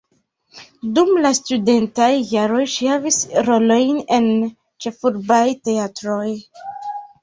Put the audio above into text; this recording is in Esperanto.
Dum la studentaj jaroj ŝi havis rolojn en ĉefurbaj teatroj.